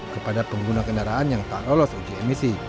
kepada pengguna kendaraan yang tak lolos uji emisi